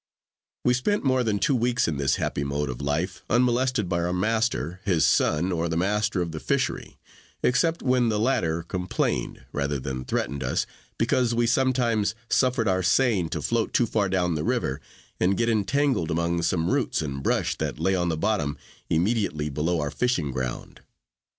We spent more than two weeks in this happy mode of life, unmolested by our master, his son, or the master of the fishery; except when the latter complained, rather than threatened us, because we sometimes suffered our seine to float too far down the river, and get entangled among some roots and brush that lay on the bottom, immediately below our fishing ground.